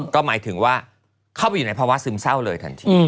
ก็หมายถึงว่าเข้าไปอยู่ในภาวะซึมเศร้าเลยทันที